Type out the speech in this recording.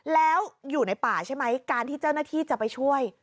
แล้วอยู่ในป่าใช่ไหมการที่เจ้าหน้าที่จะไปช่วย